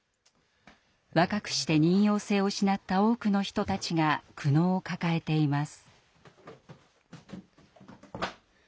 若くして妊よう性を失った多くの人たちが苦悩を抱えています。